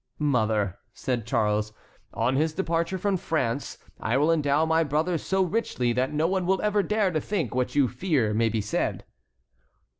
"Mother," said Charles, "on his departure from France I will endow my brother so richly that no one will ever dare to think what you fear may be said."